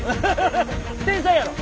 天才やろ。